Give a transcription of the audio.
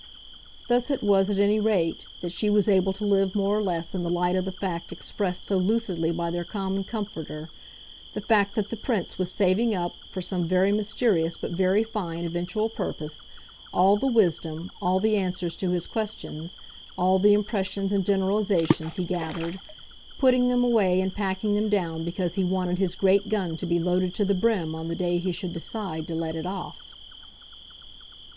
Thus it was, at any rate, that she was able to live more or less in the light of the fact expressed so lucidly by their common comforter the fact that the Prince was saving up, for some very mysterious but very fine eventual purpose, all the wisdom, all the answers to his questions, all the impressions and generalisations, he gathered; putting them away and packing them down because he wanted his great gun to be loaded to the brim on the day he should decide to let it off.